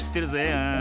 ああ。